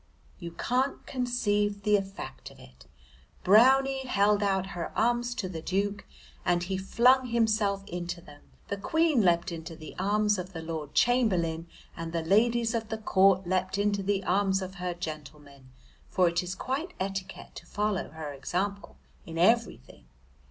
You can't conceive the effect of it. Brownie held out her arms to the Duke and he flung himself into them, the Queen leapt into the arms of the Lord Chamberlain, and the ladies of the court leapt into the arms of her gentlemen, for it is etiquette to follow her example in everything.